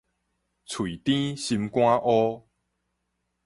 喙甜心肝烏